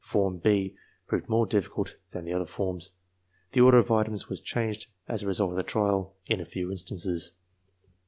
Form B proved more difficult than the other forms. The order of items was changed, as a result of the trial, in a few instances.